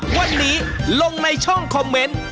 วันนี้ลงในช่องคอมเมนต์